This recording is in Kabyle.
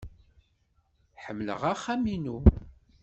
Ḥemmleɣ axxam-inu.